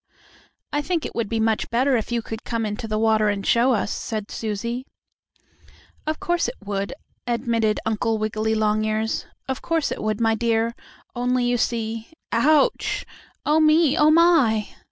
"I think it would be much better if you could come into the water and show us," said Susie. "Yes, of course it would," admitted Uncle Wiggily Longears. "Of course it would, my dear, only you see ouch! Oh, me! Oh, my!"